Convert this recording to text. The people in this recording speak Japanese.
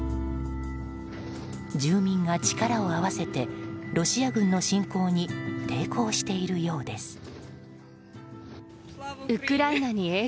住民が力を合わせて、ロシア軍の侵攻に抵抗しているようです。